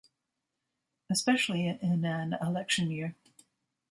Especially in an election year.